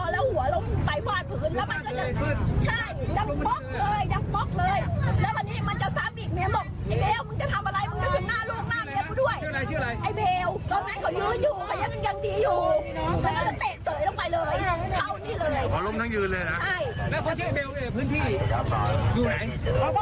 แล้วอันนี้มันจะทราบอีก